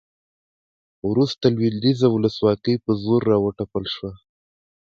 وروسته لویدیځه ولسواکي په زور راوتپل شوه